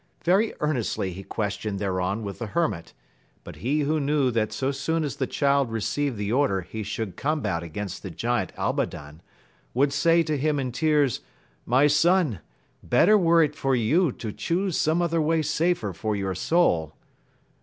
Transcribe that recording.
Very earnestly he questioned thereon with the hermit ; but he who knew that so soon as the Child received the order he should combat against the giant Albadan, would say to hiTn in tears. My son, better were it for you to chuse some other way safer for your soul.